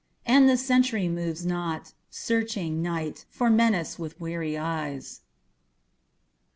And the sentry moves not, searching Night for menace with weary eyes.